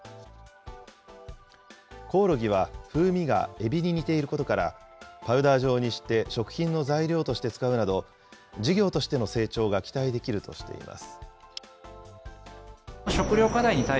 コオロギは風味がエビに似ていることから、パウダー状にして食品の材料として使うなど、事業としての成長が期待できるとしています。